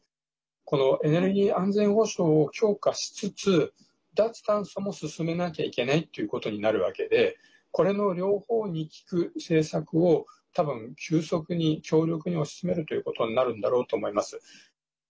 このエネルギー安全保障を強化しつつ脱炭素も進めなきゃいけないということになるわけでこれの両方に効く政策を、多分急速に強力に推し進めるということになるんだろうと思います。